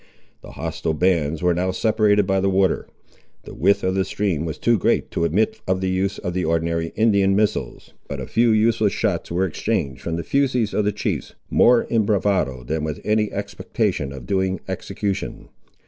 The hostile bands were now separated by the water. The width of the stream was too great to admit of the use of the ordinary Indian missiles, but a few useless shots were exchanged from the fusees of the chiefs, more in bravado than with any expectation of doing execution.